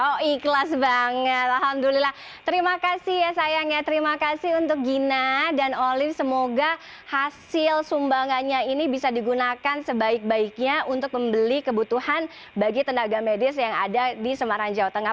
oh ikhlas banget alhamdulillah terima kasih ya sayangnya terima kasih untuk gina dan olive semoga hasil sumbangannya ini bisa digunakan sebaik baiknya untuk membeli kebutuhan bagi tenaga medis yang ada di semarang jawa tengah